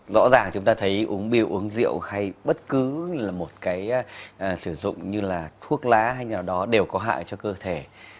rõ ràng chúng ta thấy uống bia uống rượu hay bất cứ là một cái sử dụng như là thuốc lá hay nào đó đều có hại cho cơ thể